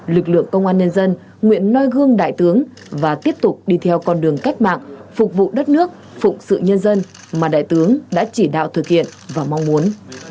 lực lượng công an nhân dân nguyện noi gương đại tướng và tiếp tục đi theo con đường cách mạng phục vụ đất nước phụng sự nhân dân mà đại tướng đã chỉ đạo thực hiện và mong muốn